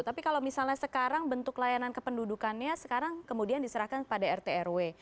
tapi kalau misalnya sekarang bentuk layanan kependudukannya sekarang kemudian diserahkan pada rt rw